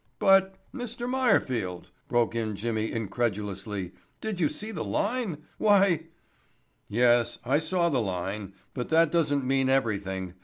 "But," Mr. Meyerfield," broke in Jimmy incredulously. "Did you see the line? Why——" "Yes, I saw the line, but that doesn't mean everything.